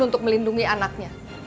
untuk melindungi anaknya